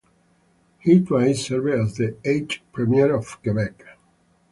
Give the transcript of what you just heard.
He twice served as the eighth Premier of Quebec.